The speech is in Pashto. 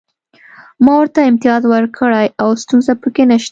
ما ورته امتیاز ورکړی او ستونزه پکې نشته